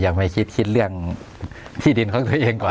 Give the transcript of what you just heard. ไม่คิดคิดเรื่องที่ดินของตัวเองก่อน